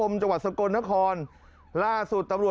คุณผู้ชมครับไอ้หนุ่มพวกนี้มันนอนปาดรถพยาบาลครับ